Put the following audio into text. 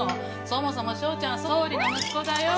そもそも翔ちゃんは総理の息子だよ。